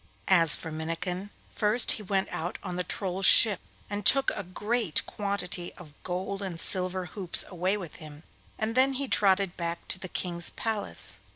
As for Minnikin, first he went out on the Troll's ship and took a great quantity of gold and silver hoops away with him, and then he trotted back to the King's palace.